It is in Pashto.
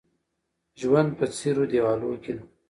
ژوند په څيرو دېوالو کې